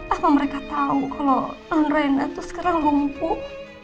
apa mereka tau kalau nonrena tuh sekarang lumpuh